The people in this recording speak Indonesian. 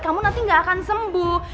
kamu nanti gak akan sembuh